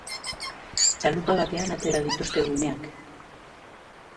Txalupa batean atera dituzte umeak.